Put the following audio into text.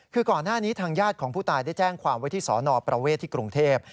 คือก่อนหน้านี้ทางญาติของผู้ตายได้แจ้งความไว้ที่สนประเวทที่กรุงเทพ